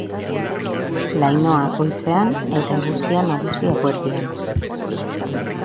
Lainoa goizean, eta eguzkia nagusi eguerdian.